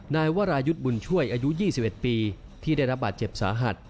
นายวรายุทธ์บุญช่วยอายุ๒๑ปีที่ได้รับบาดเจ็บสาหัส